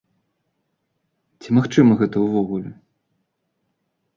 Ці магчыма гэта ўвогуле?